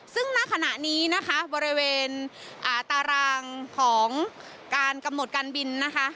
ซึ่งณขณะนี้นะคะบริเวณตารางของการกำหนดการบินนะคะ